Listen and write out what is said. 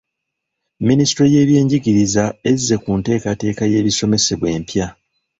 Minisitule y'ebyenjigiriza ezze ku nteekateeka y'ebisomesebwa empya.